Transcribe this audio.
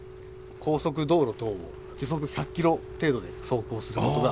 高速道路等を時速１００キロ程度で走行することが。